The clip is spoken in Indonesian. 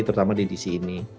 terutama di di sini